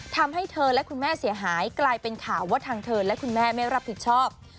ทำให้เธอและคุณแม่เสียหายกลายเป็นข่าวว่าทางเธอและคุณแม่ไม่รับผิดชอบ